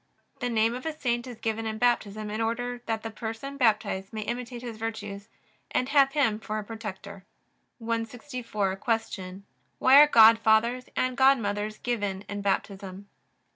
The name of a saint is given in Baptism in order that the person baptized may imitate his virtues and have him for a protector. 164. Q. Why are godfathers and godmothers given in Baptism?